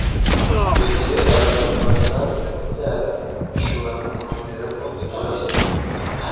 mu gihe abaganga basanze kubyara bishobora kumuviramo ibibazo